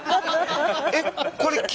えっ？